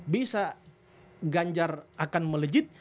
bisa ganjar akan melejit